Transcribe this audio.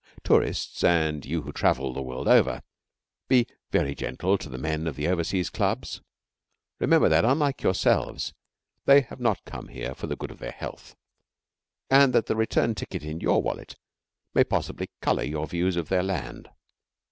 Tourists and you who travel the world over, be very gentle to the men of the Overseas Clubs. Remember that, unlike yourselves, they have not come here for the good of their health, and that the return ticket in your wallet may possibly colour your views of their land.